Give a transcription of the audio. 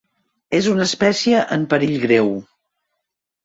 És una espècie en perill greu.